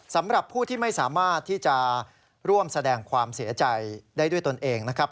สำหรับผู้ที่ไม่สามารถที่จะร่วมแสดงความเสียใจได้ด้วยตนเองนะครับ